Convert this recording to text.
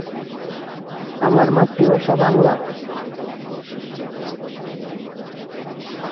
তার পিতা জার্মানিতে জন্মগ্রহণ করেন।